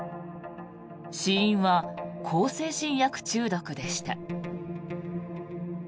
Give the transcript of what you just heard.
死因は向精神薬中毒でした。